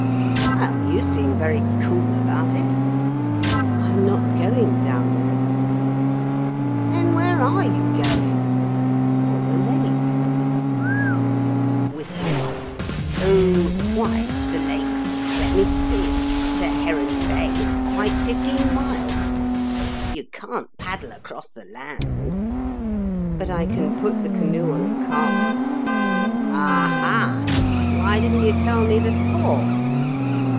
"Well, you seem very cool about it!" "I am not going down the river." "Then, where are you going?" "On the Lake." "Whew!" "Pooh! Why, the Lake's let me see, to Heron Bay it's quite fifteen miles. You can't paddle across the land." "But I can put the canoe on a cart." "Aha! why didn't you tell me before?"